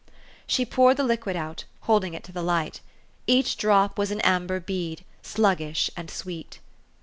She poured the liquid out, holding it to the light. Each drop was an amber bead, sluggish and sweet.